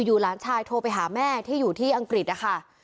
หลานชายโทรไปหาแม่ที่อยู่ที่อังกฤษนะคะ